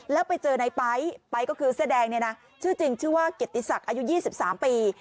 แล้วไปเจอในไป๊ไป๊ก็คือเสื้อแดงเนี่ยนะชื่อจริงชื่อว่าเกียรติศักดิ์อายุ๒๓ปี